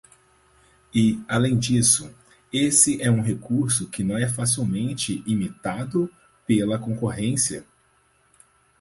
E, além disso, esse é um recurso que não é facilmente imitado pela concorrência.